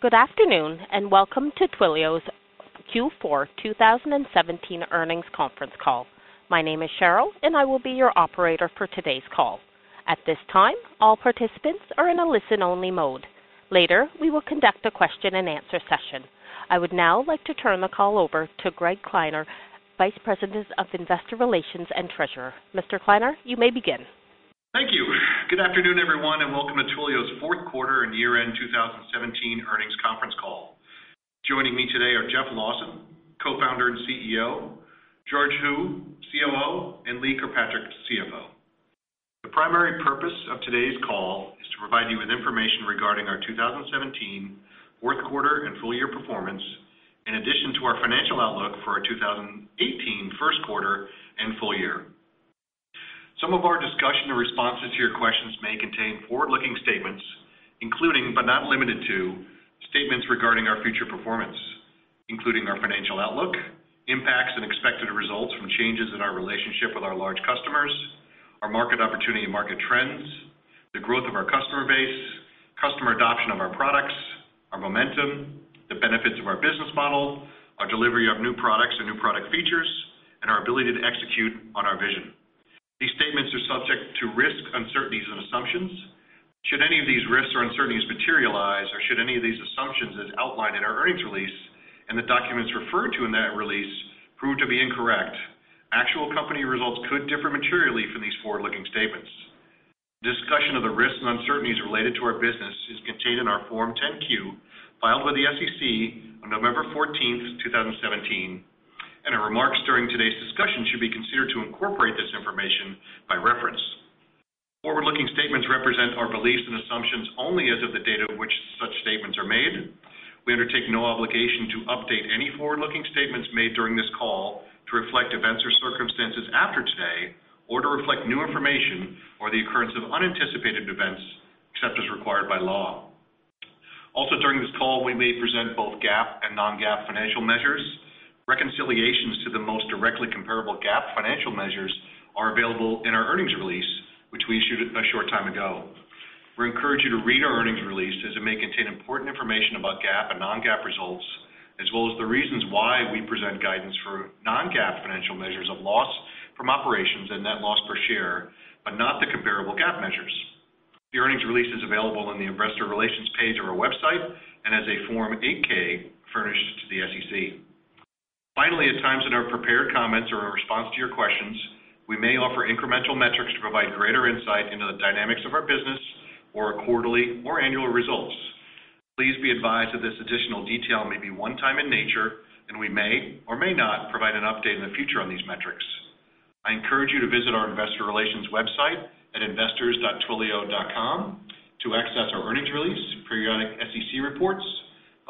Good afternoon, and welcome to Twilio's Q4 2017 earnings conference call. My name is Cheryl, and I will be your operator for today's call. At this time, all participants are in a listen-only mode. Later, we will conduct a question and answer session. I would now like to turn the call over to Greg Kleiner, Vice President of Investor Relations and Treasurer. Mr. Kleiner, you may begin. Thank you. Good afternoon, everyone, and welcome to Twilio's fourth quarter and year-end 2017 earnings conference call. Joining me today are Jeff Lawson, Co-Founder and CEO, George Hu, COO, and Lee Kirkpatrick, CFO. The primary purpose of today's call is to provide you with information regarding our 2017 fourth quarter and full year performance, in addition to our financial outlook for our 2018 first quarter and full year. Some of our discussion or responses to your questions may contain forward-looking statements, including, but not limited to, statements regarding our future performance, including our financial outlook, impacts and expected results from changes in our relationship with our large customers, our market opportunity and market trends, the growth of our customer base, customer adoption of our products, our momentum, the benefits of our business model, our delivery of new products and new product features, and our ability to execute on our vision. These statements are subject to risks, uncertainties, and assumptions. Should any of these risks or uncertainties materialize, or should any of these assumptions as outlined in our earnings release and the documents referred to in that release prove to be incorrect, actual company results could differ materially from these forward-looking statements. Discussion of the risks and uncertainties related to our business is contained in our Form 10-Q, filed with the SEC on November 14th, 2017, and our remarks during today's discussion should be considered to incorporate this information by reference. Forward-looking statements represent our beliefs and assumptions only as of the date of which such statements are made. We undertake no obligation to update any forward-looking statements made during this call to reflect events or circumstances after today, or to reflect new information or the occurrence of unanticipated events, except as required by law. Also, during this call, we may present both GAAP and non-GAAP financial measures. Reconciliations to the most directly comparable GAAP financial measures are available in our earnings release, which we issued a short time ago. We encourage you to read our earnings release, as it may contain important information about GAAP and non-GAAP results, as well as the reasons why we present guidance for non-GAAP financial measures of loss from operations and net loss per share, but not the comparable GAAP measures. The earnings release is available on the investor relations page of our website and as a Form 8-K furnished to the SEC. Finally, at times in our prepared comments or in response to your questions, we may offer incremental metrics to provide greater insight into the dynamics of our business or our quarterly or annual results. Please be advised that this additional detail may be one-time in nature, and we may or may not provide an update in the future on these metrics. I encourage you to visit our investor relations website at investors.twilio.com to access our earnings release, periodic SEC reports,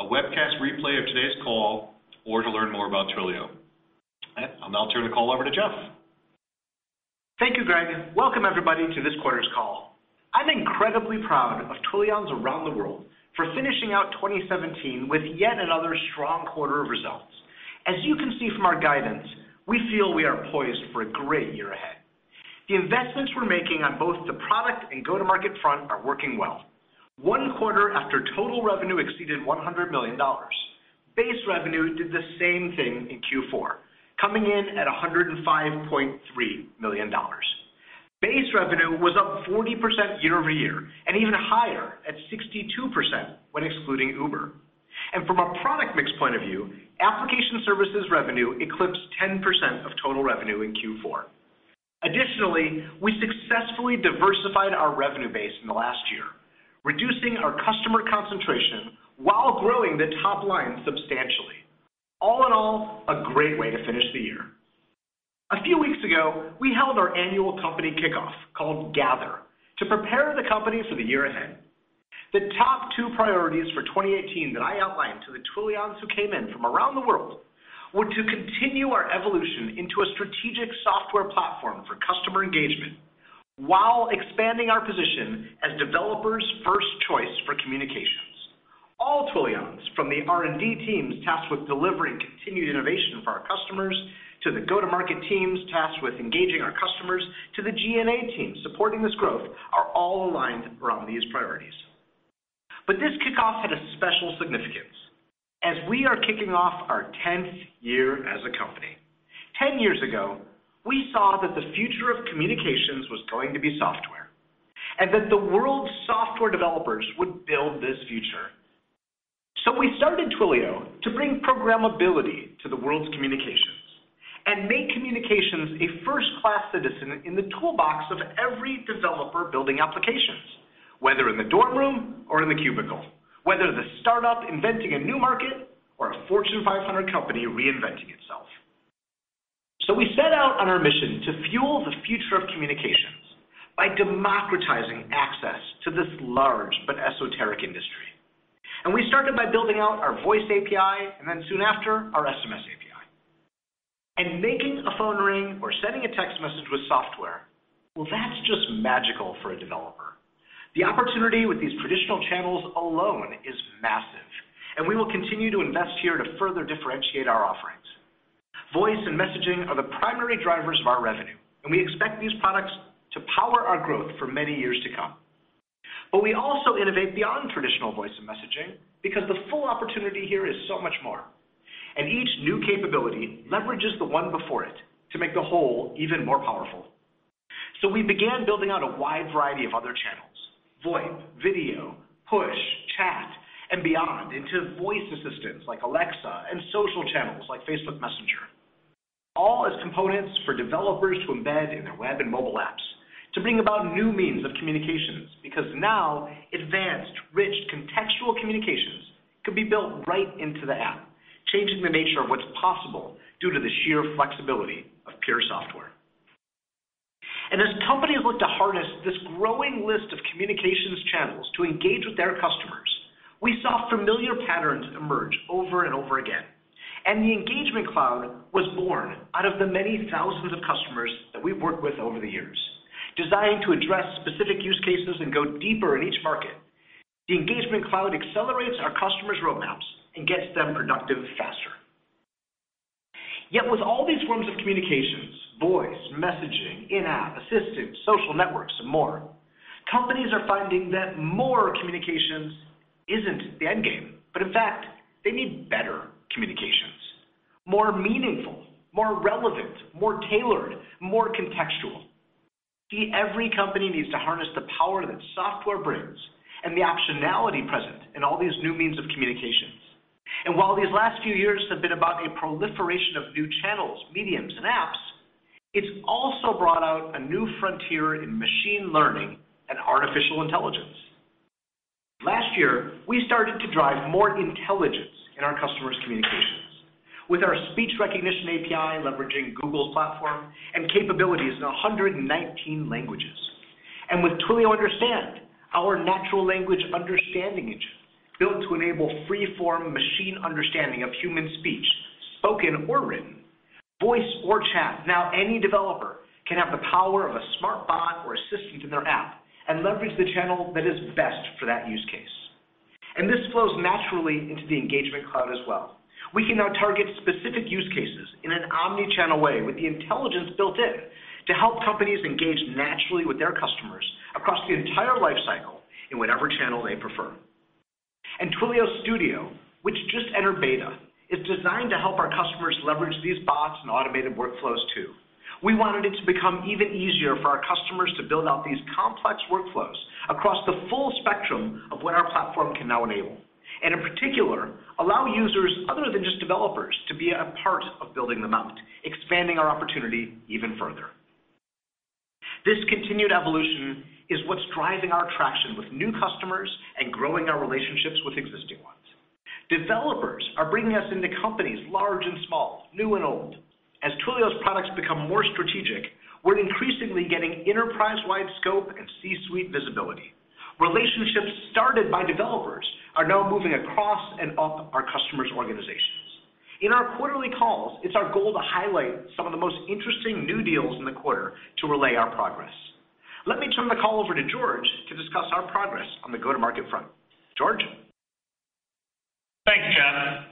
a webcast replay of today's call, or to learn more about Twilio. I'll now turn the call over to Jeff. Thank you, Greg. Welcome everybody to this quarter's call. I'm incredibly proud of Twilions around the world for finishing out 2017 with yet another strong quarter of results. As you can see from our guidance, we feel we are poised for a great year ahead. The investments we're making on both the product and go-to-market front are working well. One quarter after total revenue exceeded $100 million, base revenue did the same thing in Q4, coming in at $105.3 million. Base revenue was up 40% year-over-year, and even higher at 62% when excluding Uber. From a product mix point of view, application services revenue eclipsed 10% of total revenue in Q4. Additionally, we successfully diversified our revenue base in the last year, reducing our customer concentration while growing the top line substantially. All in all, a great way to finish the year. A few weeks ago, we held our annual company kickoff called Gather to prepare the company for the year ahead. The top two priorities for 2018 that I outlined to the Twilions who came in from around the world were to continue our evolution into a strategic software platform for customer engagement while expanding our position as developers' first choice for communications. All Twilions, from the R&D teams tasked with delivering continued innovation for our customers, to the go-to-market teams tasked with engaging our customers, to the G&A team supporting this growth, are all aligned around these priorities. This kickoff had a special significance, as we are kicking off our 10th year as a company. Ten years ago, we saw that the future of communications was going to be software, and that the world's software developers would build this future. We started Twilio to bring programmability to the world's communications and make communications a first-class citizen in the toolbox of every developer building applications, whether in the dorm room or in the cubicle, whether the startup inventing a new market or a Fortune 500 company reinventing itself. We set out on our mission to fuel the future of communications by democratizing access to this large but esoteric industry. We started by building out our voice API, and then soon after, our SMS API. Making a phone ring or sending a text message with software, well, that's just magical for a developer. The opportunity with these traditional channels alone is massive, and we will continue to invest here to further differentiate our offering. Voice and messaging are the primary drivers of our revenue, and we expect these products to power our growth for many years to come. We also innovate beyond traditional voice and messaging because the full opportunity here is so much more. Each new capability leverages the one before it to make the whole even more powerful. We began building out a wide variety of other channels, VoIP, video, push, chat, and beyond, into voice assistants like Alexa and social channels like Facebook Messenger, all as components for developers to embed in their web and mobile apps to bring about new means of communications. Now, advanced, rich contextual communications can be built right into the app, changing the nature of what's possible due to the sheer flexibility of pure software. As companies look to harness this growing list of communications channels to engage with their customers, we saw familiar patterns emerge over and over again. The Engagement Cloud was born out of the many thousands of customers that we've worked with over the years, designed to address specific use cases and go deeper in each market. The Engagement Cloud accelerates our customers' roadmaps and gets them productive faster. With all these forms of communications, voice, messaging, in-app, assistants, social networks, and more, companies are finding that more communications isn't the end game, but in fact, they need better communications, more meaningful, more relevant, more tailored, more contextual. See, every company needs to harness the power that software brings and the optionality present in all these new means of communications. While these last few years have been about a proliferation of new channels, mediums, and apps, it's also brought out a new frontier in machine learning and artificial intelligence. Last year, we started to drive more intelligence in our customers' communications with our speech recognition API, leveraging Google's platform and capabilities in 119 languages. With Twilio Understand, our natural language understanding engine, built to enable free-form machine understanding of human speech, spoken or written, voice or chat. Now any developer can have the power of a smart bot or assistant in their app and leverage the channel that is best for that use case. This flows naturally into the Engagement Cloud as well. We can now target specific use cases in an omni-channel way with the intelligence built in to help companies engage naturally with their customers across the entire life cycle in whatever channel they prefer. Twilio Studio, which just entered beta, is designed to help our customers leverage these bots and automated workflows, too. We wanted it to become even easier for our customers to build out these complex workflows across the full spectrum of what our platform can now enable, and in particular, allow users other than just developers to be a part of building them out, expanding our opportunity even further. This continued evolution is what's driving our traction with new customers and growing our relationships with existing ones. Developers are bringing us into companies large and small, new and old. As Twilio's products become more strategic, we're increasingly getting enterprise-wide scope and C-suite visibility. Relationships started by developers are now moving across and up our customers' organizations. In our quarterly calls, it's our goal to highlight some of the most interesting new deals in the quarter to relay our progress. Let me turn the call over to George to discuss our progress on the go-to-market front. George? Thanks, Jeff.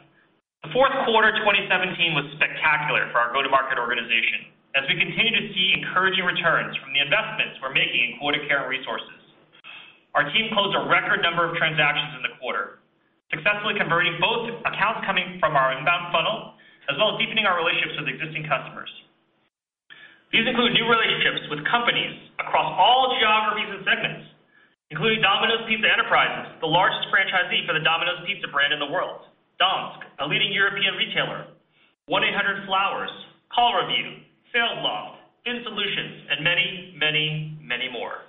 The fourth quarter 2017 was spectacular for our go-to-market organization, as we continue to see encouraging returns from the investments we're making in go-to-market resources. Our team closed a record number of transactions in the quarter, successfully converting both accounts coming from our inbound funnel, as well as deepening our relationships with existing customers. These include new relationships with companies across all geographies and segments, including Domino's Pizza Enterprises, the largest franchisee for the Domino's Pizza brand in the world, Dansk, a leading European retailer, 1-800-Flowers, CallRail, Salesloft, Fin Solutions, and many, many, many more.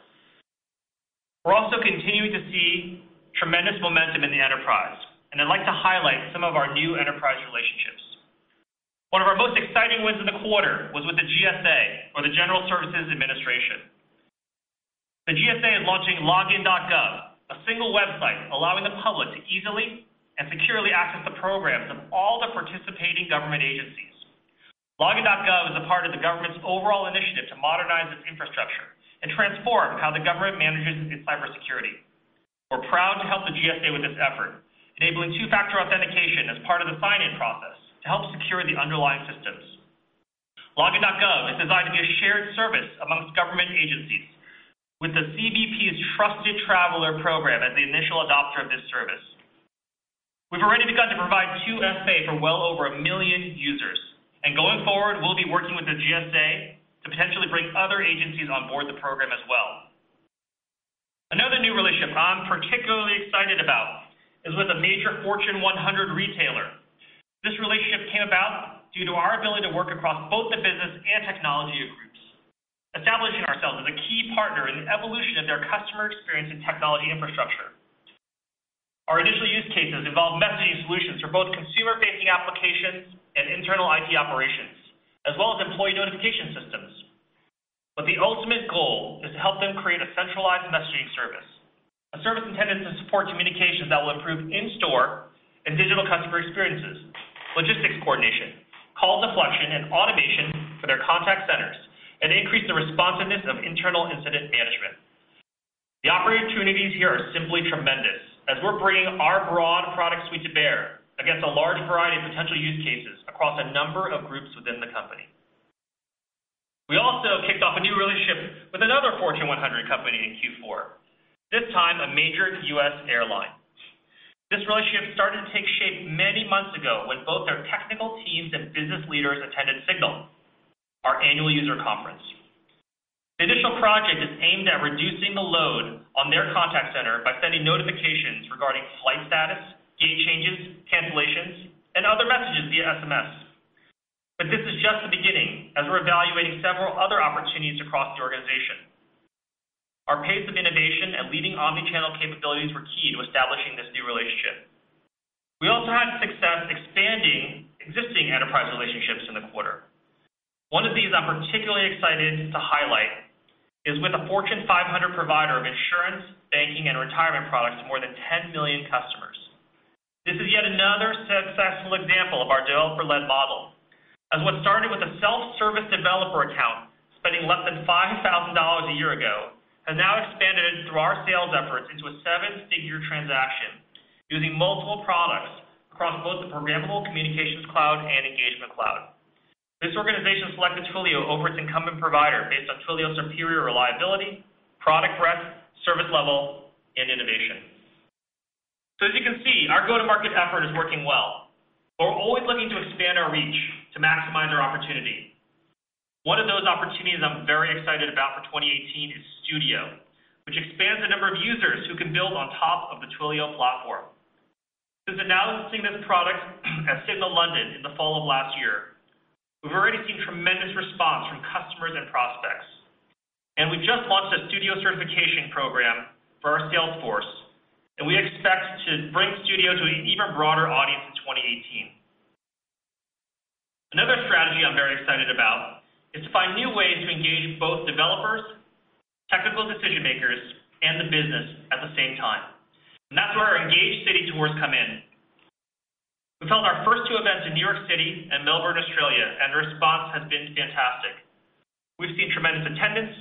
I'd like to highlight some of our new enterprise relationships. One of our most exciting wins in the quarter was with the GSA, or the General Services Administration. The GSA is launching Login.gov, a single website allowing the public to easily and securely access the programs of all the participating government agencies. Login.gov is a part of the government's overall initiative to modernize its infrastructure and transform how the government manages its cybersecurity. We're proud to help the GSA with this effort, enabling two-factor authentication as part of the sign-in process to help secure the underlying systems. Login.gov is designed to be a shared service amongst government agencies, with the CBP's Trusted Traveler program as the initial adopter of this service. We've already begun to provide 2FA for well over a million users. Going forward, we'll be working with the GSA to potentially bring other agencies on board the program as well. Another new relationship I'm particularly excited about is with a major Fortune 100 retailer. This relationship came about due to our ability to work across both the business and technology groups, establishing ourselves as a key partner in the evolution of their customer experience and technology infrastructure. Our initial use cases involve messaging solutions for both consumer-facing applications and internal IT operations, as well as employee notification systems. The ultimate goal is to help them create a centralized messaging service, a service intended to support communications that will improve in-store and digital customer experiences, logistics coordination, call deflection, and automation Internal incident management. The opportunities here are simply tremendous, as we're bringing our broad product suite to bear against a large variety of potential use cases across a number of groups within the company. We also kicked off a new relationship with another Fortune 100 company in Q4, this time a major U.S. airline. This relationship started to take shape many months ago when both their technical teams and business leaders attended SIGNAL, our annual user conference. The initial project is aimed at reducing the load on their contact center by sending notifications regarding flight status, gate changes, cancellations, and other messages via SMS. This is just the beginning, as we're evaluating several other opportunities across the organization. Our pace of innovation and leading omni-channel capabilities were key to establishing this new relationship. We also had success expanding existing enterprise relationships in the quarter. One of these I'm particularly excited to highlight is with a Fortune 500 provider of insurance, banking, and retirement products to more than 10 million customers. This is yet another successful example of our developer-led model, as what started with a self-service developer account spending less than $5,000 a year ago, has now expanded through our sales efforts into a seven-figure transaction using multiple products across both the Programmable Communications Cloud and Engagement Cloud. This organization selected Twilio over its incumbent provider based on Twilio's superior reliability, product breadth, service level, and innovation. As you can see, our go-to-market effort is working well, but we're always looking to expand our reach to maximize our opportunity. One of those opportunities I'm very excited about for 2018 is Studio, which expands the number of users who can build on top of the Twilio platform. Since announcing this product at SIGNAL London in the fall of last year, we've already seen tremendous response from customers and prospects. We just launched a Studio certification program for our sales force, and we expect to bring Studio to an even broader audience in 2018. Another strategy I'm very excited about is to find new ways to engage both developers, technical decision-makers, and the business at the same time, and that's where our ENGAGE city tours come in. We've held our first two events in New York City and Melbourne, Australia. The response has been fantastic. We've seen tremendous attendance,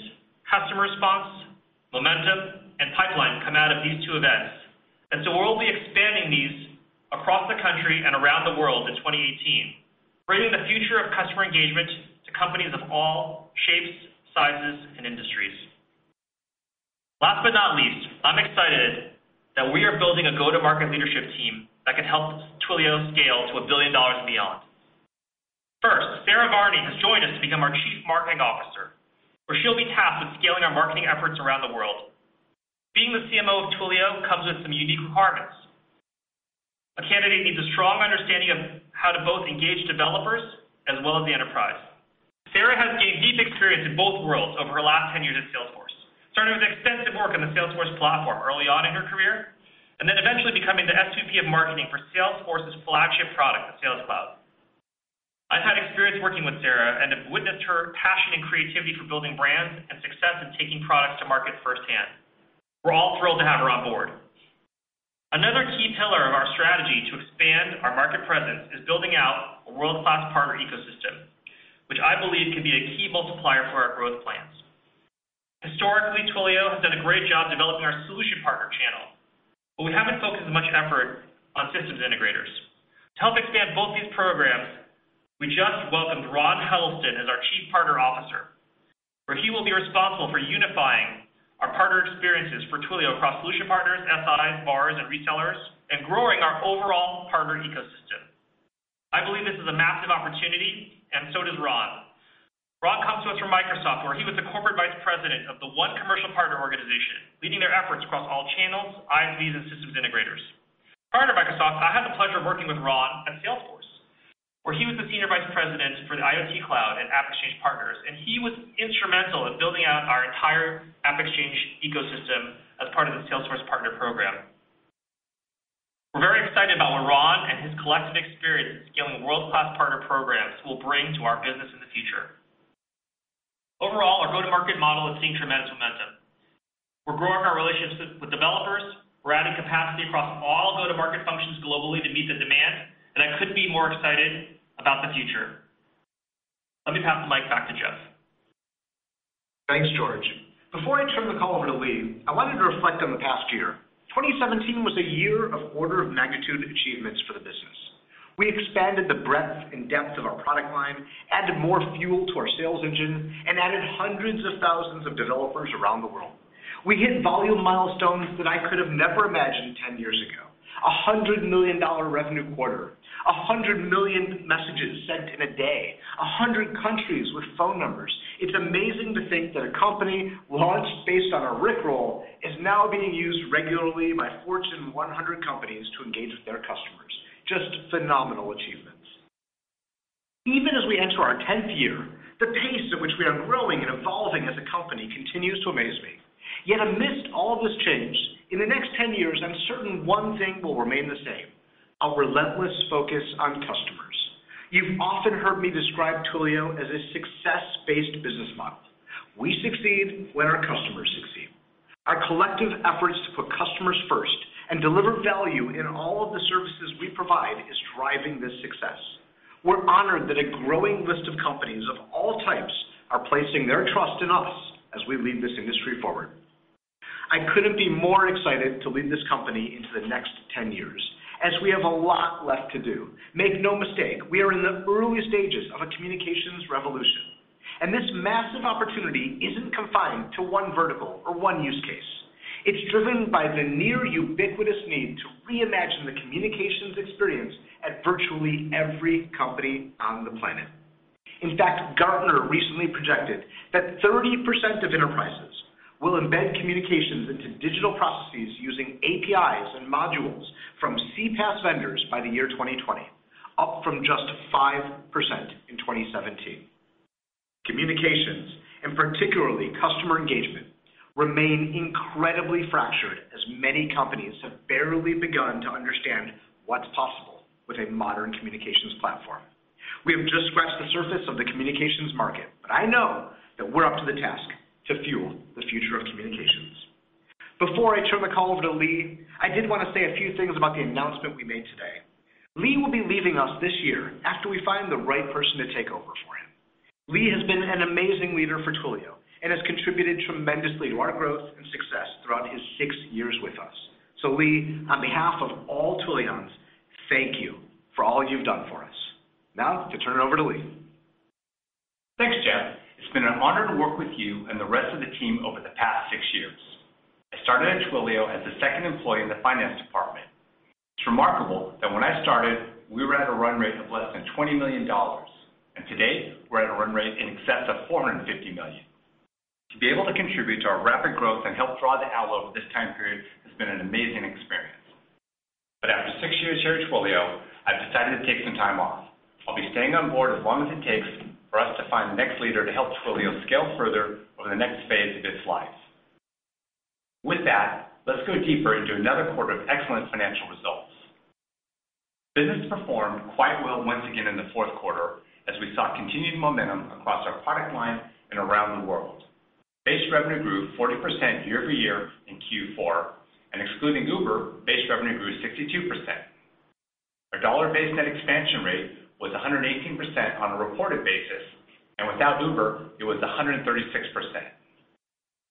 customer response, momentum, and pipeline come out of these two events. We'll be expanding these across the country and around the world in 2018, bringing the future of customer engagement to companies of all shapes, sizes, and industries. Last but not least, I'm excited that we are building a go-to-market leadership team that can help Twilio scale to $1 billion and beyond. First, Sara Varni has joined us to become our Chief Marketing Officer, where she'll be tasked with scaling our marketing efforts around the world. Being the CMO of Twilio comes with some unique requirements. A candidate needs a strong understanding of how to both engage developers as well as the enterprise. Sara has gained deep experience in both worlds over her last 10 years at Salesforce, starting with extensive work on the Salesforce platform early on in her career, then eventually becoming the SVP of marketing for Salesforce's flagship product, the Sales Cloud. I've had experience working with Sara and have witnessed her passion and creativity for building brands and success in taking products to market firsthand. We're all thrilled to have her on board. Another key pillar of our strategy to expand our market presence is building out a world-class partner ecosystem, which I believe can be a key multiplier for our growth plans. Historically, Twilio has done a great job developing our solution partner channel, but we haven't focused much effort on systems integrators. To help expand both these programs, we just welcomed Ron Huddleston as our Chief Partner Officer, where he will be responsible for unifying our partner experiences for Twilio across solution partners, SIs, VARs, and retailers, and growing our overall partner ecosystem. I believe this is a massive opportunity. So does Ron. Ron comes to us from Microsoft, where he was the Corporate Vice President of the One Commercial Partner organization, leading their efforts across all channels, ISVs, and systems integrators. Prior to Microsoft, I had the pleasure of working with Ron at Salesforce, where he was the Senior Vice President for the IoT Cloud and AppExchange partners, and he was instrumental in building out our entire AppExchange ecosystem as part of the Salesforce partner program. We're very excited about what Ron and his collective experience scaling world-class partner programs will bring to our business in the future. Overall, our go-to-market model is seeing tremendous momentum. We're growing our relationships with developers. We're adding capacity across all go-to-market functions globally to meet the demand, and I couldn't be more excited about the future. Let me pass the mic back to Jeff. Thanks, George. Before I turn the call over to Lee, I wanted to reflect on the past year. 2017 was a year of order-of-magnitude achievements for the business. We expanded the breadth and depth of our product line, added more fuel to our sales engine, and added hundreds of thousands of developers around the world. We hit volume milestones that I could have never imagined 10 years ago. $100 million revenue quarter, 100 million messages sent in a day, 100 countries with phone numbers. It's amazing to think that a company launched based on a rickroll is now being used regularly by Fortune 100 companies to engage with their customers. Just phenomenal achievements. Even as we enter our tenth year, the pace at which we are growing and evolving as a company continues to amaze me. Yet amidst all this change, in the next 10 years, I'm certain one thing will remain the same, our relentless focus on customers. You've often heard me describe Twilio as a success-based business model. We succeed when our collective efforts to put customers first and deliver value in all of the services we provide is driving this success. We're honored that a growing list of companies of all types are placing their trust in us as we lead this industry forward. I couldn't be more excited to lead this company into the next 10 years, as we have a lot left to do. Make no mistake, we are in the earliest stages of a communications revolution. This massive opportunity isn't confined to one vertical or one use case. It's driven by the near ubiquitous need to reimagine the communications experience at virtually every company on the planet. In fact, Gartner recently projected that 30% of enterprises will embed communications into digital processes using APIs and modules from CPaaS vendors by the year 2020, up from just 5% in 2017. Communications, and particularly customer engagement, remain incredibly fractured, as many companies have barely begun to understand what's possible with a modern communications platform. We have just scratched the surface of the communications market, but I know that we're up to the task to fuel the future of communications. Before I turn the call over to Lee, I did want to say a few things about the announcement we made today. Lee will be leaving us this year after we find the right person to take over for him. Lee has been an amazing leader for Twilio and has contributed tremendously to our growth and success throughout his six years with us. Lee, on behalf of all Twilions, thank you for all you've done for us. Now, to turn it over to Lee. Thanks, Jeff. It's been an honor to work with you and the rest of the team over the past six years. I started at Twilio as the second employee in the finance department. It's remarkable that when I started, we were at a run rate of less than $20 million, and today we're at a run rate in excess of $450 million. To be able to contribute to our rapid growth and help draw the outlook over this time period has been an amazing experience. After six years here at Twilio, I've decided to take some time off. I'll be staying on board as long as it takes for us to find the next leader to help Twilio scale further over the next phase of its life. With that, let's go deeper into another quarter of excellent financial results. Business performed quite well once again in the fourth quarter, as we saw continued momentum across our product line and around the world. Base revenue grew 40% year-over-year in Q4, and excluding Uber, base revenue grew 62%. Our dollar-based net expansion rate was 118% on a reported basis, and without Uber, it was 136%.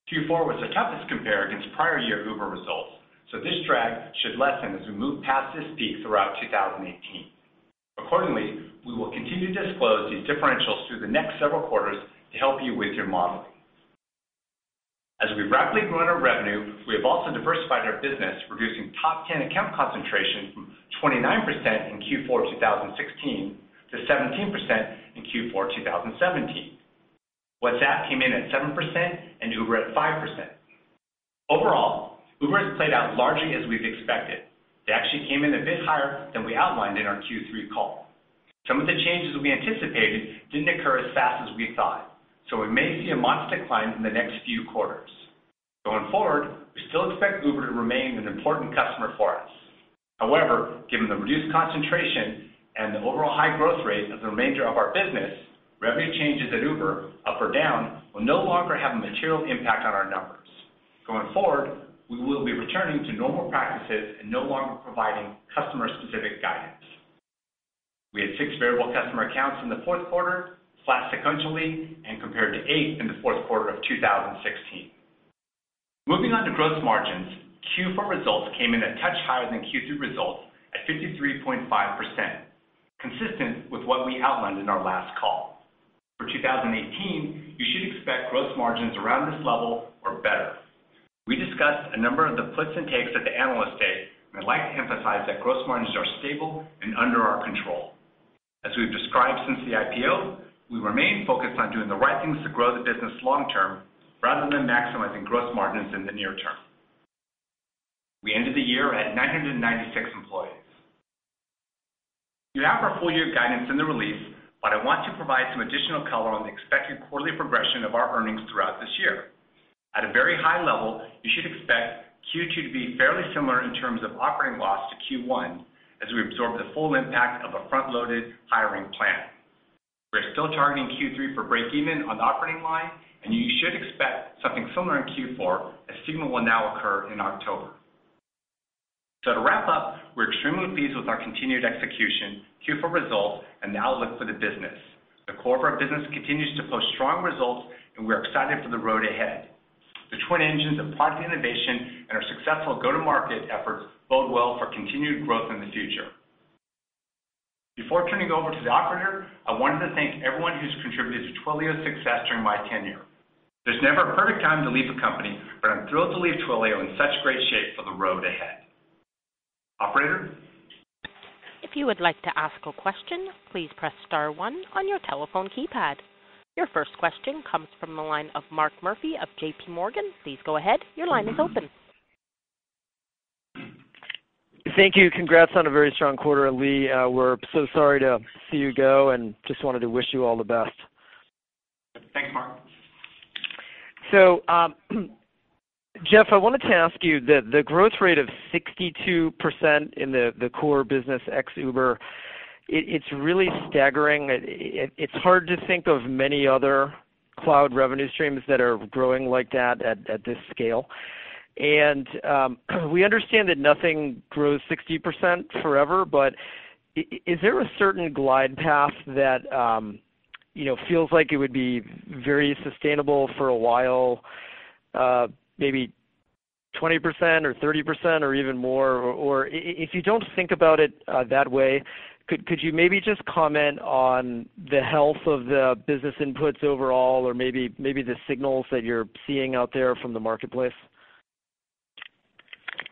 Q4 was the toughest compare against prior year Uber results, this drag should lessen as we move past this peak throughout 2018. Accordingly, we will continue to disclose these differentials through the next several quarters to help you with your modeling. As we rapidly grow our revenue, we have also diversified our business, reducing top 10 account concentration from 29% in Q4 2016 to 17% in Q4 2017. WhatsApp came in at 7% and Uber at 5%. Overall, Uber has played out largely as we've expected. They actually came in a bit higher than we outlined in our Q3 call. Some of the changes we anticipated didn't occur as fast as we thought, so we may see a modest decline in the next few quarters. Going forward, we still expect Uber to remain an important customer for us. However, given the reduced concentration and the overall high growth rate of the remainder of our business, revenue changes at Uber, up or down, will no longer have a material impact on our numbers. Going forward, we will be returning to normal practices and no longer providing customer-specific guidance. We had six variable customer accounts in the fourth quarter, flat sequentially, and compared to eight in the fourth quarter of 2016. Moving on to gross margins, Q4 results came in a touch higher than Q3 results at 53.5%, consistent with what we outlined in our last call. For 2018, you should expect gross margins around this level or better. We discussed a number of the puts and takes at the Analyst Day, and I'd like to emphasize that gross margins are stable and under our control. As we've described since the IPO, we remain focused on doing the right things to grow the business long term rather than maximizing gross margins in the near term. We ended the year at 996 employees. You have our full year guidance in the release, but I want to provide some additional color on the expected quarterly progression of our earnings throughout this year. At a very high level, you should expect Q2 to be fairly similar in terms of operating loss to Q1, as we absorb the full impact of a front-loaded hiring plan. We're still targeting Q3 for break even on the operating line, and you should expect something similar in Q4, as SIGNAL will now occur in October. To wrap up, we're extremely pleased with our continued execution, Q4 results, and the outlook for the business. The core of our business continues to post strong results, and we're excited for the road ahead. The twin engines of product innovation and our successful go-to-market efforts bode well for continued growth in the future. Before turning it over to the operator, I wanted to thank everyone who's contributed to Twilio's success during my tenure. There's never a perfect time to leave a company, but I'm thrilled to leave Twilio in such great shape for the road ahead. Operator. If you would like to ask a question, please press *1 on your telephone keypad. Your first question comes from the line of Mark Murphy of JPMorgan. Please go ahead. Your line is open. Thank you. Congrats on a very strong quarter, Lee. We're so sorry to see you go, and just wanted to wish you all the best. Thanks, Mark. Jeff, I wanted to ask you, the growth rate of 62% in the core business ex Uber. It's really staggering. It's hard to think of many other cloud revenue streams that are growing like that at this scale. We understand that nothing grows 60% forever, but is there a certain glide path that feels like it would be very sustainable for a while, maybe 20% or 30% or even more? If you don't think about it that way, could you maybe just comment on the health of the business inputs overall, or maybe the signals that you're seeing out there from the marketplace?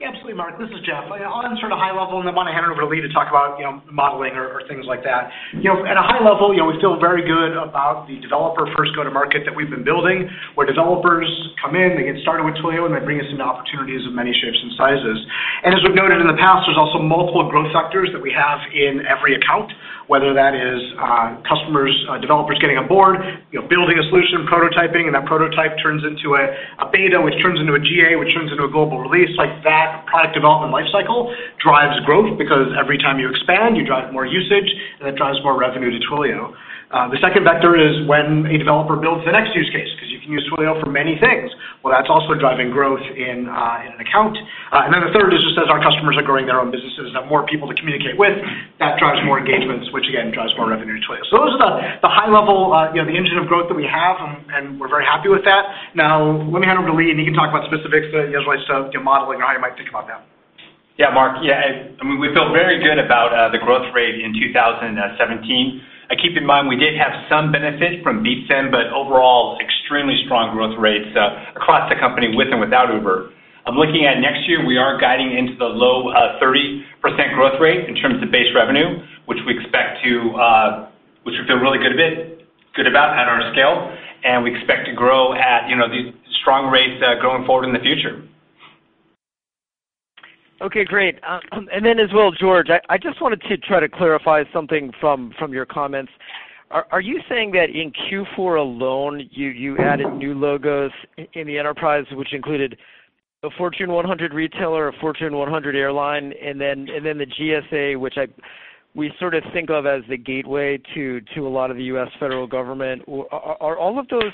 Absolutely, Mark. This is Jeff. I'll answer it high level, I want to hand it over to Lee to talk about modeling or things like that. At a high level, we feel very good about the developer first go to market that we've been building, where developers come in, they get started with Twilio, they bring us into opportunities of many shapes and sizes. As we've noted in the past, there's also multiple growth vectors that we have in every account, whether that is customers, developers getting on board, building a solution, prototyping, that prototype turns into a beta, which turns into a GA, which turns into a global release. That product development life cycle drives growth because every time you expand, you drive more usage, that drives more revenue to Twilio. The second vector is when a developer builds the next use case, because you can use Twilio for many things. Well, that's also driving growth in an account. The third is just as our customers are growing their own businesses, they have more people to communicate with. That drives more engagements, which again, drives more revenue to Twilio. Those are the high level, the engine of growth that we have, and we're very happy with that. Now, let me hand it over to Lee, and he can talk about specifics, usually modeling or how you might think about that. Yeah, Mark. We feel very good about the growth rate in 2017. Keep in mind, we did have some benefit from deep spend, but overall, extremely strong growth rates across the company, with and without Uber. I'm looking at next year, we are guiding into the low 30% growth rate in terms of base revenue, which we feel really good about at our scale, and we expect to grow at these strong rates going forward in the future. Okay, great. As well, George, I just wanted to try to clarify something from your comments. Are you saying that in Q4 alone, you added new logos in the enterprise, which included a Fortune 100 retailer, a Fortune 100 airline, and the GSA, which we sort of think of as the gateway to a lot of the U.S. federal government. Are all of those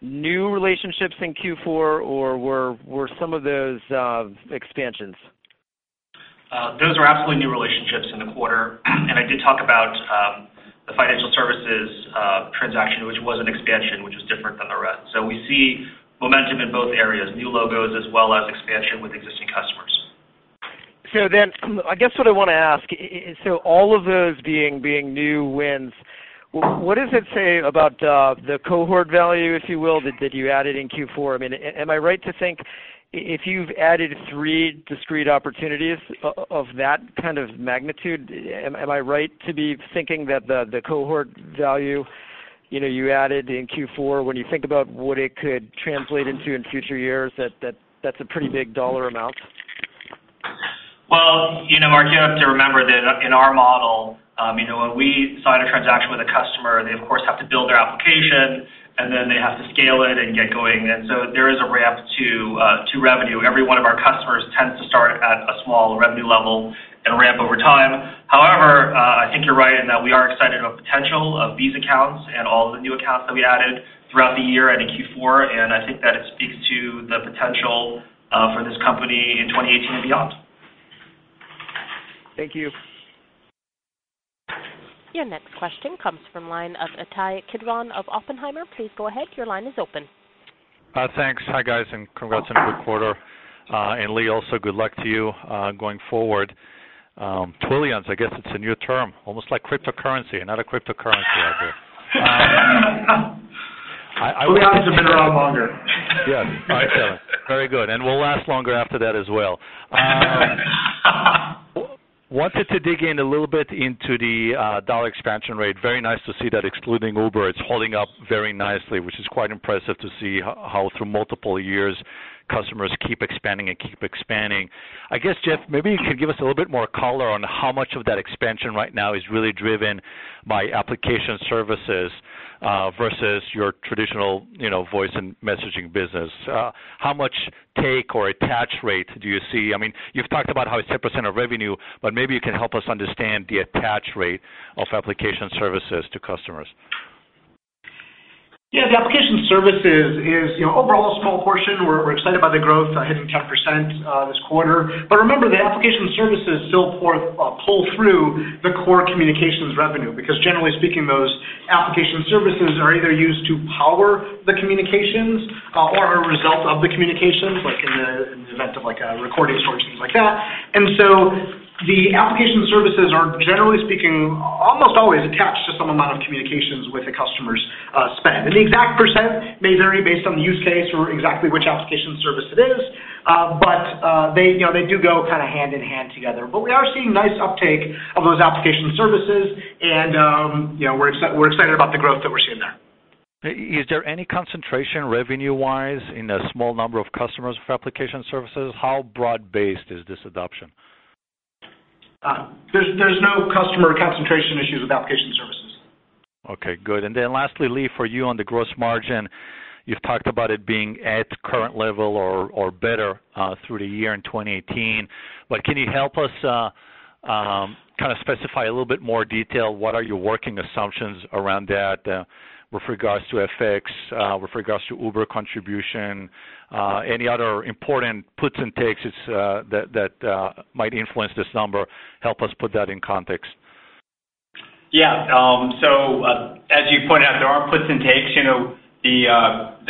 new relationships in Q4, or were some of those expansions? Those are absolutely new relationships in the quarter. I did talk about the financial services transaction, which was an expansion, which is different than the rest. We see momentum in both areas, new logos as well as expansion with existing customers. I guess what I want to ask, all of those being new wins, what does it say about the cohort value, if you will, that you added in Q4? Am I right to think if you've added three discrete opportunities of that kind of magnitude, am I right to be thinking that the cohort value you added in Q4, when you think about what it could translate into in future years, that that's a pretty big dollar amount? Well, Mark, you have to remember that in our model, when we sign a transaction with a customer, they of course have to build their application and then they have to scale it and get going. There is a ramp to revenue. Every one of our customers tends to start at a small revenue level and ramp over time. However, I think you're right in that we are excited about the potential of these accounts and all the new accounts that we added throughout the year and in Q4, and I think that it speaks to the potential for this company in 2018 and beyond. Thank you. Your next question comes from the line of Ittai Kidron of Oppenheimer. Please go ahead, your line is open. Thanks. Hi, guys, congrats on a good quarter. Lee, also good luck to you going forward. Twilions, I guess it's a new term, almost like cryptocurrency. Another cryptocurrency out there. Twilions have been around longer. Yes. I feel it. Very good. Will last longer after that as well. Wanted to dig in a little bit into the dollar expansion rate. Very nice to see that excluding Uber, it's holding up very nicely, which is quite impressive to see how through multiple years, customers keep expanding. I guess, Jeff, maybe you could give us a little bit more color on how much of that expansion right now is really driven by application services, versus your traditional voice and messaging business. How much take or attach rate do you see? You've talked about how it's 10% of revenue, maybe you can help us understand the attach rate of application services to customers. Yeah, the application services is overall a small portion. We're excited by the growth hitting 10% this quarter. Remember, the application services still pull through the core communications revenue, because generally speaking, those application services are either used to power the communications or are a result of the communications, like in the event of a recording storage and things like that. The application services are, generally speaking, almost always attached to some amount of communications with the customer's spend. The exact percent may vary based on the use case or exactly which application service it is, but they do go kind of hand in hand together. We are seeing nice uptake of those application services, and we're excited about the growth that we're seeing there. Is there any concentration revenue-wise in a small number of customers for application services? How broad-based is this adoption? There's no customer concentration issues with application services. Okay, good. Lastly, Lee, for you on the gross margin, you've talked about it being at current level or better through the year in 2018. Can you help us specify a little bit more detail, what are your working assumptions around that with regards to FX, with regards to Uber contribution? Any other important puts and takes that might influence this number, help us put that in context. Yeah. As you point out, there are puts and takes. The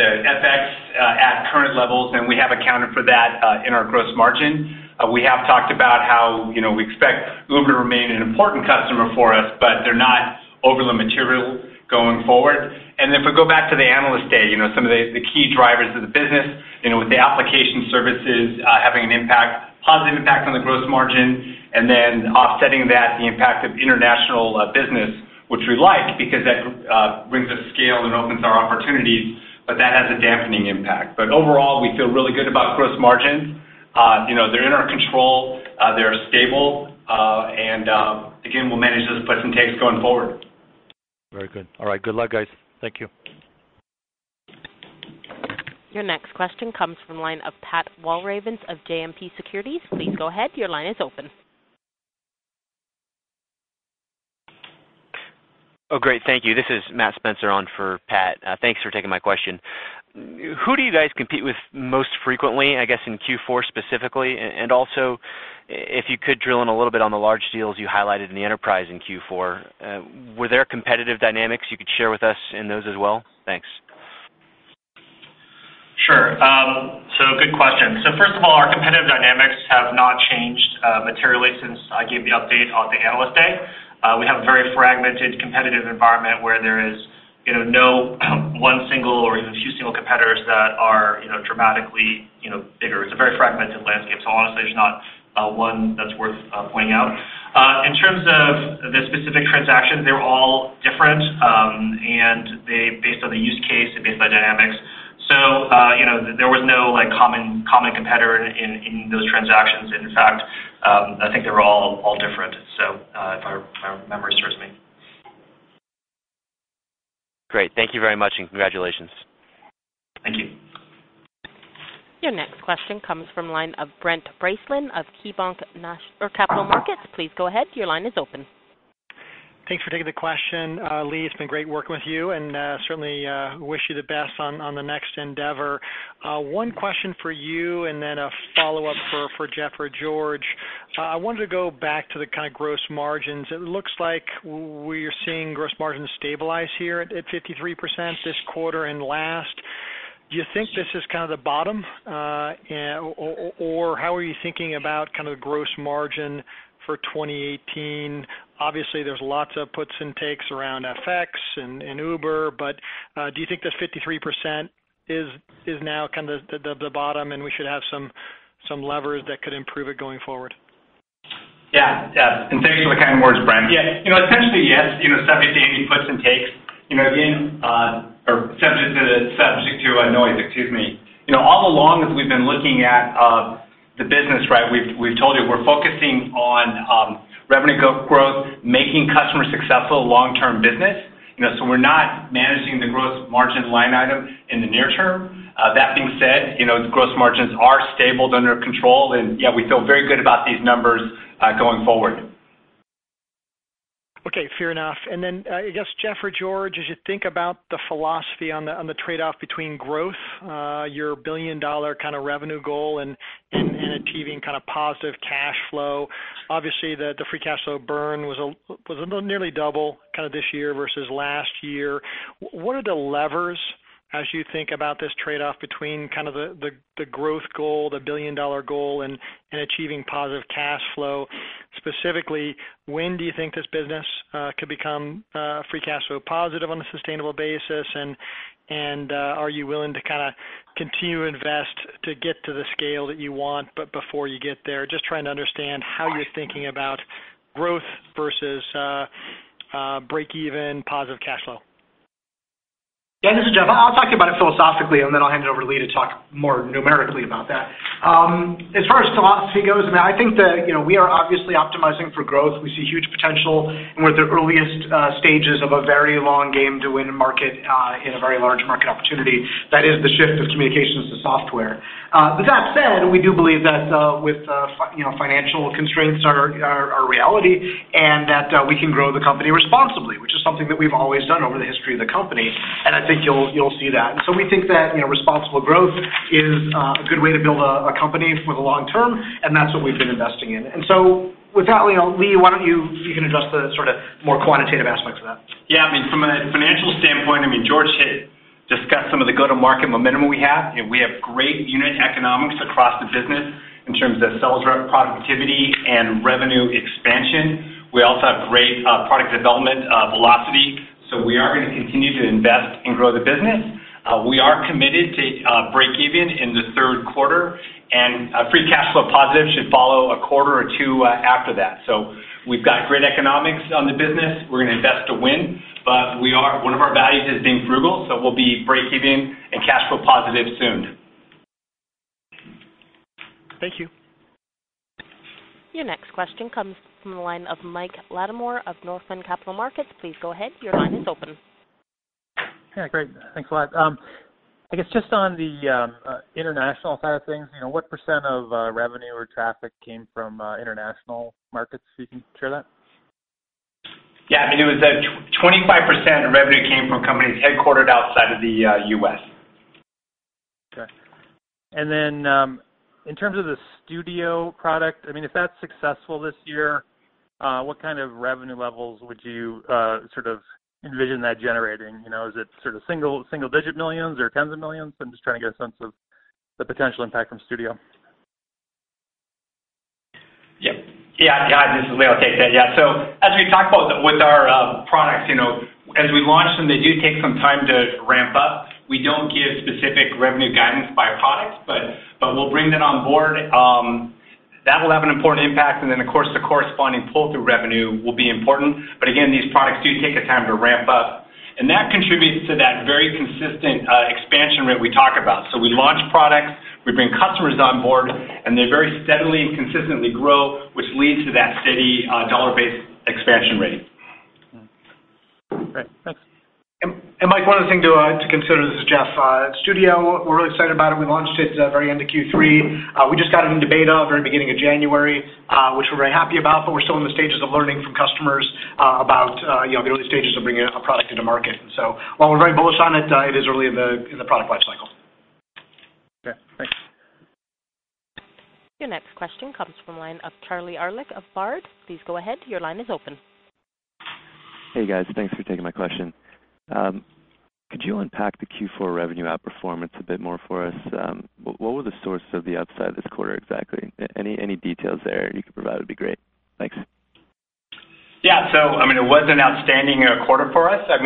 FX at current levels, and we have accounted for that in our gross margin. We have talked about how we expect Uber to remain an important customer for us, but they're not overly material going forward. If we go back to the Analyst Day, some of the key drivers of the business, with the application services having a positive impact on the gross margin, offsetting that, the impact of international business, which we like because that brings us scale and opens our opportunities, but that has a dampening impact. Overall, we feel really good about gross margins. They're in our control, they're stable, and again, we'll manage those puts and takes going forward. Very good. All right. Good luck, guys. Thank you. Your next question comes from the line of Pat Walravens of JMP Securities. Please go ahead. Your line is open. Oh, great. Thank you. This is Matt Spencer on for Pat. Thanks for taking my question. Who do you guys compete with most frequently, I guess, in Q4 specifically? Also, if you could drill in a little bit on the large deals you highlighted in the enterprise in Q4. Were there competitive dynamics you could share with us in those as well? Thanks. Sure. Good question. First of all, our competitive dynamics have not changed materially since I gave the update on the Analyst Day. We have a very fragmented competitive environment where there is no one single or even a few single competitors that are dramatically bigger. It's a very fragmented landscape, so honestly, there's not one that's worth pointing out. In terms of the specific transactions, they're all different, and based on the use case and based on the dynamics. There was no common competitor in those transactions. In fact, I think they were all different, if my memory serves me. Great. Thank you very much, and congratulations. Thank you. Your next question comes from the line of Brent Bracelin of KeyBanc Capital Markets. Please go ahead. Your line is open. Thanks for taking the question. Lee, it's been great working with you, and certainly, wish you the best on the next endeavor. One question for you, and then a follow-up for Jeff or George. I wanted to go back to the kind of gross margins. It looks like we're seeing gross margins stabilize here at 53% this quarter and last. Do you think this is kind of the bottom? Or how are you thinking about kind of gross margin for 2018? Obviously, there's lots of puts and takes around FX and Uber, but do you think that 53% is now kind of the bottom, and we should have some levers that could improve it going forward? Yeah. Thanks for the kind words, Brent. Yeah. Potentially, yes. Subject to any puts and takes. Or subject to noise, excuse me. All along, as we've been looking at the business, we've told you we're focusing on revenue growth, making customers successful, long-term business. We're not managing the gross margin line item in the near term. That being said, gross margins are stable, they're under control, and yeah, we feel very good about these numbers going forward. Okay. Fair enough. I guess, Jeff or George, as you think about the philosophy on the trade-off between growth, your billion-dollar revenue goal and achieving positive cash flow. Obviously, the free cash flow burn was nearly double this year versus last year. What are the levers as you think about this trade-off between the growth goal, the billion-dollar goal, and achieving positive cash flow? Specifically, when do you think this business could become free cash flow positive on a sustainable basis? Are you willing to continue to invest to get to the scale that you want, but before you get there? Just trying to understand how you're thinking about growth versus break even, positive cash flow. Yeah, this is Jeff. I'll talk about it philosophically, I'll hand it over to Lee to talk more numerically about that. I mean, I think that we are obviously optimizing for growth. We see huge potential, and we're at the earliest stages of a very long game to win market in a very large market opportunity. That is the shift of communications to software. With that said, we do believe that financial constraints are a reality, and that we can grow the company responsibly, which is something that we've always done over the history of the company, and I think you'll see that. We think that responsible growth is a good way to build a company for the long term, and that's what we've been investing in. With that, Lee, why don't you address the sort of more quantitative aspects of that. Yeah, I mean, from a financial standpoint, George discussed some of the go-to-market momentum we have. We have great unit economics across the business in terms of sales rep productivity and revenue expansion. We also have great product development velocity. We are going to continue to invest and grow the business. We are committed to break even in the third quarter, and free cash flow positive should follow a quarter or two after that. We've got great economics on the business. We're going to invest to win. One of our values is being frugal, so we'll be break even and cash flow positive soon. Thank you. Your next question comes from the line of Mike Latimore of Northland Capital Markets. Please go ahead, your line is open. Yeah, great. Thanks a lot. I guess just on the international side of things, what % of revenue or traffic came from international markets, if you can share that? Yeah. It was at 25% of revenue came from companies headquartered outside of the U.S. Okay. Then in terms of the Studio product, if that's successful this year, what kind of revenue levels would you envision that generating? Is it single-digit millions or tens of millions? I'm just trying to get a sense of the potential impact from Studio. Yeah. This is Lee, I'll take that. Yeah. As we talk about with our products, as we launch them, they do take some time to ramp up. We don't give specific revenue guidance by products, but we'll bring that on board. That will have an important impact, then, of course, the corresponding pull-through revenue will be important. Again, these products do take a time to ramp up, and that contributes to that very consistent expansion rate we talk about. We launch products, we bring customers on board, and they very steadily and consistently grow, which leads to that steady dollar-based expansion rate. Great. Thanks. Mike, one other thing to consider, this is Jeff. Studio, we're really excited about it. We launched it very end of Q3. We just got it in beta very beginning of January, which we're very happy about, but we're still in the stages of learning from customers about the early stages of bringing a product into market. While we're very bullish on it is early in the product life cycle. Okay, thanks. Your next question comes from the line of Charlie Ehrlich of Baird. Please go ahead, your line is open. Hey, guys. Thanks for taking my question. Could you unpack the Q4 revenue outperformance a bit more for us? What were the source of the upside this quarter exactly? Any details there you could provide would be great. Thanks. It was an outstanding quarter for us. I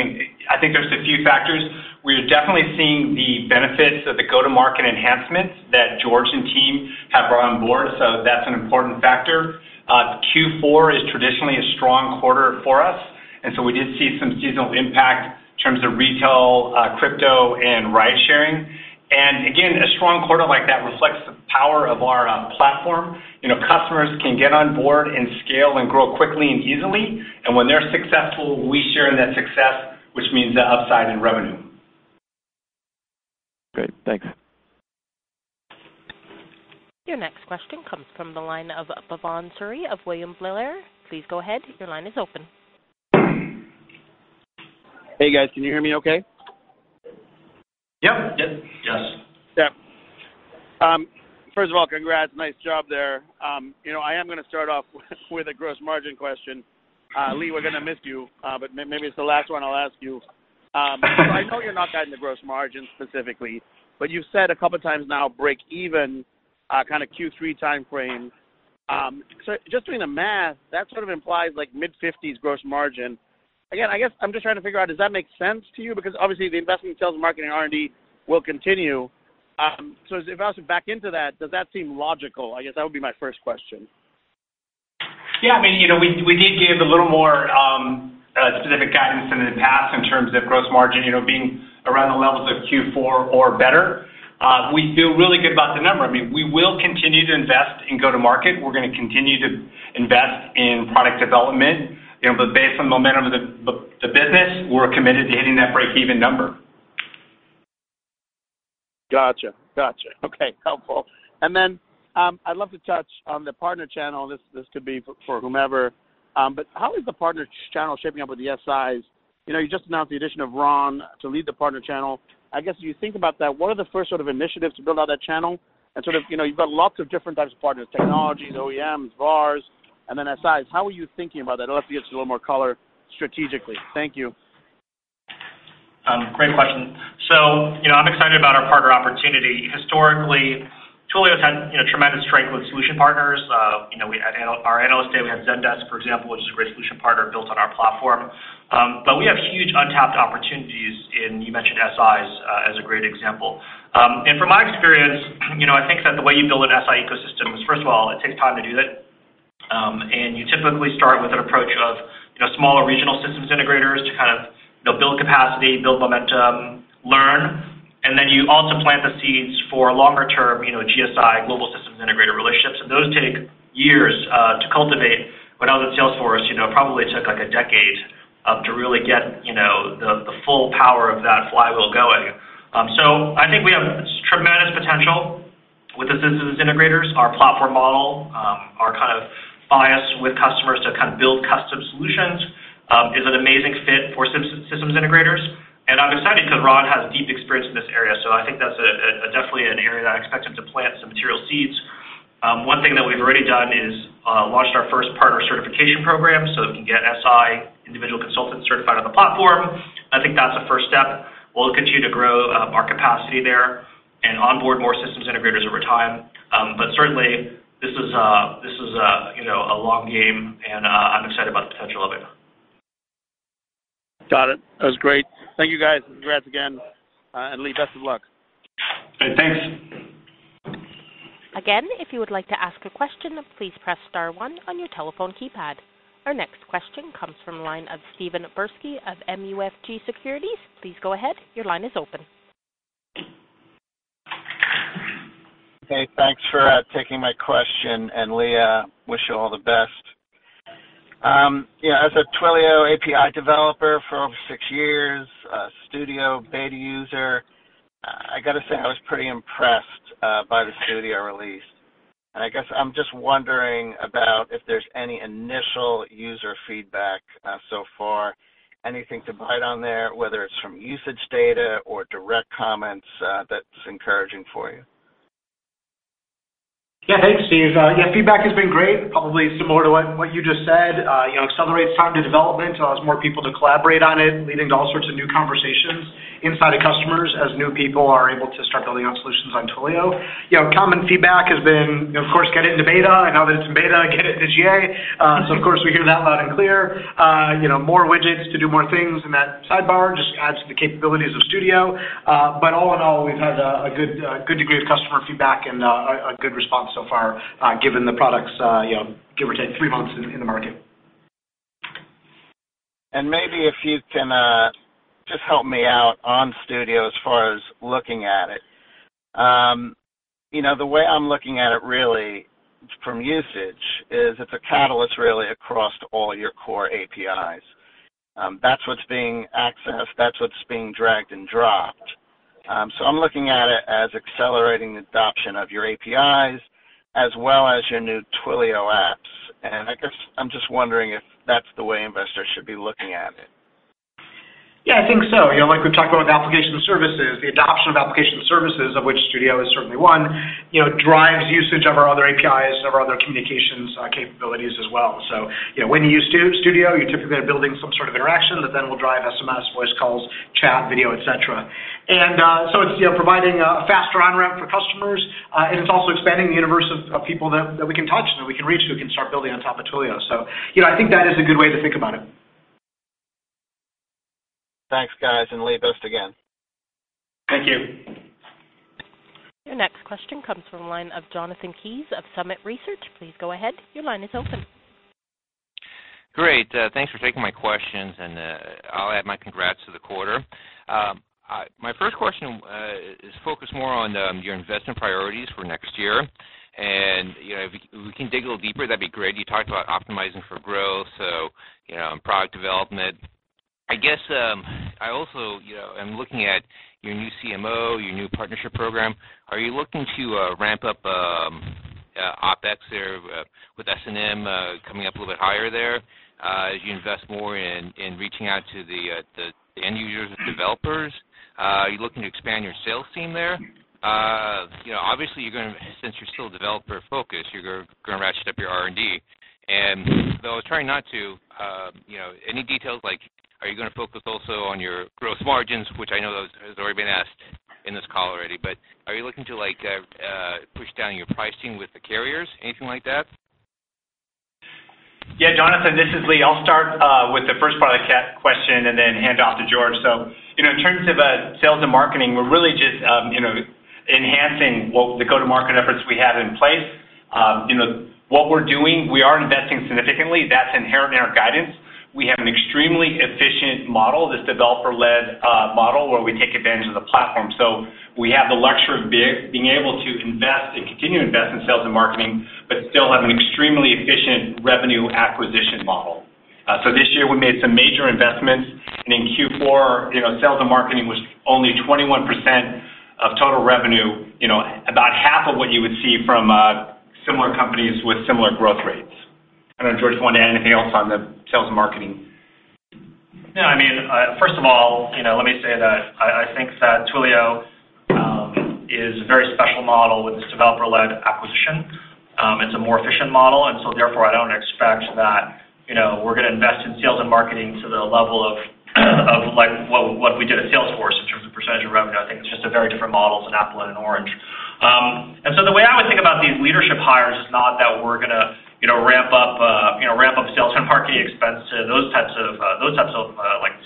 think there's a few factors. We are definitely seeing the benefits of the go-to-market enhancements that George and team have brought on board. That's an important factor. Q4 is traditionally a strong quarter for us, we did see some seasonal impact in terms of retail, crypto, and ride sharing. Again, a strong quarter like that reflects the power of our platform. Customers can get on board and scale and grow quickly and easily, and when they're successful, we share in that success, which means the upside in revenue. Great, thanks. Your next question comes from the line of Bhavan Suri of William Blair. Please go ahead, your line is open. Hey, guys. Can you hear me okay? Yep. Yes. First of all, congrats. Nice job there. I am going to start off with a gross margin question. Lee, we're going to miss you, but maybe it's the last one I'll ask you. I know you're not guiding the gross margin specifically, but you've said a couple of times now break even kind of Q3 timeframe. Just doing the math, that sort of implies like mid-50s gross margin. Again, I guess I'm just trying to figure out, does that make sense to you? Because obviously the investment in sales and marketing R&D will continue. If I was to back into that, does that seem logical? I guess that would be my first question. Yeah. We did give a little more specific guidance than in the past in terms of gross margin being around the levels of Q4 or better. We feel really good about the number. We will continue to invest in go-to-market. We're going to continue to invest in product development. Based on the momentum of the business, we're committed to hitting that break-even number. Got you. Okay. Helpful. I'd love to touch on the partner channel. This could be for whomever. How is the partner channel shaping up with the SIs? You just announced the addition of Ron to lead the partner channel. I guess, as you think about that, what are the first sort of initiatives to build out that channel, you've got lots of different types of partners, technologies, OEMs, VARs, and then SIs. How are you thinking about that? I'd love to get just a little more color strategically. Thank you. Great question. I'm excited about our partner opportunity. Historically, Twilio's had tremendous strength with solution partners. At our Analyst Day, we had Zendesk, for example, which is a great solution partner built on our platform. We have huge untapped opportunities in, you mentioned SIs, as a great example. From my experience, I think that the way you build an SI ecosystem is, first of all, it takes time to do that. You typically start with an approach of smaller regional systems integrators to kind of build capacity, build momentum, learn, and then you also plant the seeds for longer-term GSI, global systems integrator relationships. Those take years to cultivate. When I was at Salesforce, it probably took like a decade to really get the full power of that flywheel going. I think we have tremendous potential with the systems integrators. Our platform model, our kind of bias with customers to kind of build custom solutions, is an amazing fit for systems integrators, and I'm excited because Ron has deep experience in this area, so I think that's definitely an area that I expect him to plant some material seeds. One thing that we've already done is launched our first partner certification program, so that we can get SI individual consultants certified on the platform. I think that's a first step. We'll continue to grow our capacity there and onboard more systems integrators over time. But certainly this is a long game, and I'm excited about the potential of it. Got it. That was great. Thank you, guys. Congrats again. Lee, best of luck. Thanks. Again, if you would like to ask a question, please press star one on your telephone keypad. Our next question comes from the line of Steven Bursky of MUFG Securities. Please go ahead, your line is open. Hey, thanks for taking my question. Lee, wish you all the best. As a Twilio API developer for over six years, a Studio beta user, I got to say, I was pretty impressed by the Studio release. I guess I'm just wondering about if there's any initial user feedback so far, anything to bite on there, whether it's from usage data or direct comments that's encouraging for you. Thanks, Steve. Feedback has been great. Probably similar to what you just said. Accelerates time to development, allows more people to collaborate on it, leading to all sorts of new conversations inside of customers as new people are able to start building out solutions on Twilio. Common feedback has been, of course, "Get it into beta." Now that it's in beta, "Get it to GA." Of course, we hear that loud and clear. More widgets to do more things in that sidebar just adds to the capabilities of Studio. All in all, we've had a good degree of customer feedback and a good response so far, given the product's, give or take, three months in the market. Maybe if you can just help me out on Studio as far as looking at it. The way I'm looking at it really from usage is it's a catalyst, really, across all your core APIs. That's what's being accessed, that's what's being dragged and dropped. I'm looking at it as accelerating adoption of your APIs as well as your new Twilio apps. I guess I'm just wondering if that's the way investors should be looking at it. I think so. Like we talked about with application services, the adoption of application services, of which Studio is certainly one, drives usage of our other APIs and our other communications capabilities as well. When you use Studio, you're typically building some sort of interaction that then will drive SMS, voice calls, chat, video, et cetera. It's providing a faster on-ramp for customers. It's also expanding the universe of people that we can touch and that we can reach who can start building on top of Twilio. I think that is a good way to think about it. Thanks, guys. Leah, best again. Thank you. Your next question comes from the line of Jonathan Kees of Summit Research. Please go ahead. Your line is open. Great. Thanks for taking my questions. I'll add my congrats to the quarter. My first question is focused more on your investment priorities for next year. If we can dig a little deeper, that'd be great. You talked about optimizing for growth, so product development. I guess, I also am looking at your new CMO, your new partnership program. Are you looking to ramp up OpEx there with S&M coming up a little bit higher there as you invest more in reaching out to the end users and developers? Are you looking to expand your sales team there? Obviously, since you're still developer-focused, you're going to ratchet up your R&D. Though trying not to, any details, like are you going to focus also on your gross margins? Which I know that has already been asked in this call already. Are you looking to push down your pricing with the carriers, anything like that? Jonathan, this is Leah. I'll start with the first part of the question and then hand off to George. In terms of sales and marketing, we're really just enhancing the go-to-market efforts we have in place. We are investing significantly. That's inherent in our guidance. We have an extremely efficient model, this developer-led model where we take advantage of the platform. We have the luxury of being able to invest and continue to invest in sales and marketing, but still have an extremely efficient revenue acquisition model. This year, we made some major investments, and in Q4, sales and marketing was only 21% of total revenue, about half of what you would see from similar companies with similar growth rates. I don't know, George, if you want to add anything else on the sales and marketing. First of all, let me say that I think that Twilio is a very special model with this developer-led acquisition. It's a more efficient model. Therefore, I don't expect that we're going to invest in sales and marketing to the level of what we did at Salesforce in terms of percentage of revenue. I think it's just a very different model. It's an apple and an orange. The way I would think about these leadership hires is not that we're going to ramp up sales and marketing expense to those types of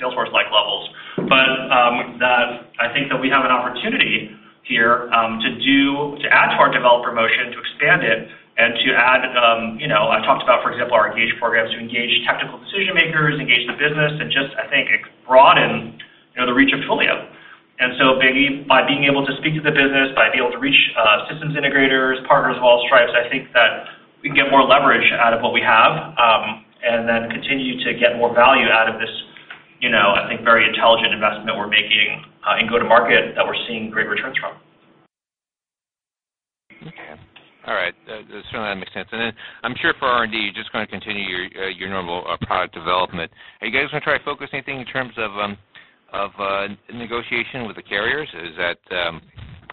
Salesforce-like levels. That I think that we have an opportunity here to add to our developer motion, to expand it and to add, I talked about, for example, our ENGAGE programs, to engage technical decision-makers, engage the business, and just, I think, broaden the reach of Twilio. By being able to speak to the business, by being able to reach Systems Integrators, partners of all stripes, I think that we can get more leverage out of what we have. Then continue to get more value out of this, I think, very intelligent investment we're making in go-to-market that we're seeing great returns from. All right. Certainly, that makes sense. Then I'm sure for R&D, you're just going to continue your normal product development. Are you guys going to try to focus anything in terms of negotiation with the carriers?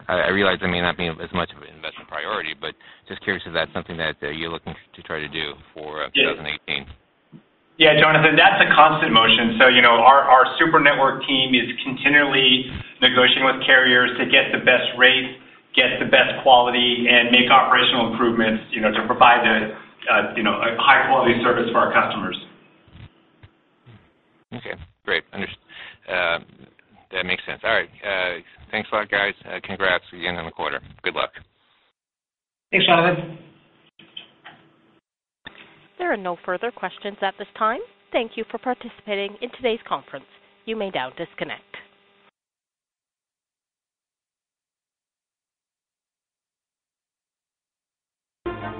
I realize that may not be as much of an investment priority, but just curious if that's something that you're looking to try to do for 2018. Yeah, Jonathan Kees, that's a constant motion. Our Super Network team is continually negotiating with carriers to get the best rates, get the best quality, and make operational improvements to provide a high-quality service for our customers. Okay, great. That makes sense. All right. Thanks a lot, guys. Congrats again on the quarter. Good luck. Thanks, Jonathan Kees. There are no further questions at this time. Thank you for participating in today's conference. You may now disconnect.